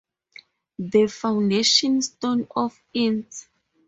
The foundation stone of Inst.